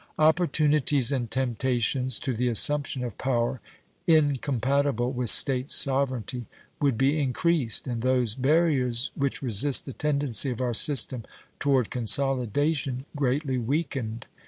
Opportunities and temptations to the assumption of power incompatible with State sovereignty would be increased and those barriers which resist the tendency of our system toward consolidation greatly weakened.